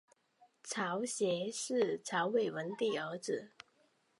曹协是曹魏文帝儿子。